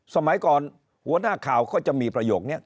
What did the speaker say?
สมัยก่อนหัวหน้าข่าวก็จะมีประโยคนี้